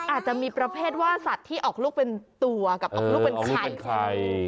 อาจจะมีประเภทว่าสัตว์ที่ออกลูกเป็นตัวกับออกลูกเป็นไข่